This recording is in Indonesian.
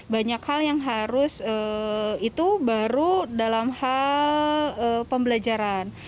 banyak hal yang harus itu baru dalam hal pembelajaran